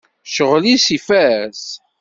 Ccɣel-is ifaz!